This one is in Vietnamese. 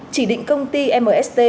chỉ định công ty mst